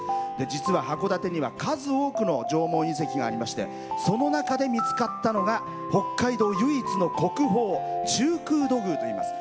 実は函館には数多くの縄文遺跡がありましてその中で見つかったのが北海道唯一の国宝中空土偶といいます。